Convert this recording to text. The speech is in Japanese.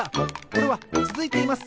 これはつづいています！